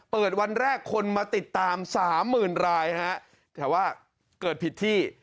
วันแรกคนมาติดตามสามหมื่นรายฮะแต่ว่าเกิดผิดที่